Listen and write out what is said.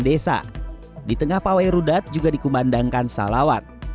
di tengah pawai rudat juga dikumandangkan salawat